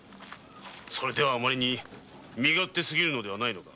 それではあまりにも身勝手すぎるのではないのか。